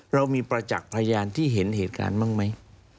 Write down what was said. เรามีประจักษ์พยานที่เห็นเหตุการณ์บ้างไหม